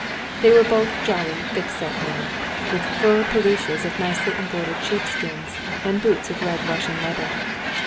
They were both jolly thick set men, with fur pelisses of nicely embroidered sheepskins, and boots of red Russian leather.